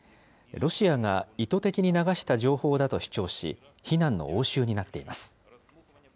ロシアが意図的に流した情報だと主張し、非難の応酬になっています。